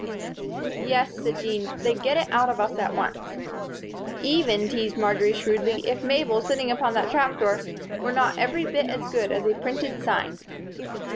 "Yes," said Jean, "they'd get it out of us at once." "Even," teased Marjory, shrewdly, "if Mabel, sitting upon that trap door, were not every bit as good as a printed sign."